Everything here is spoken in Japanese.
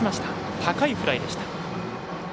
高いフライでした。